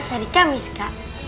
tiga belas hari kamis kak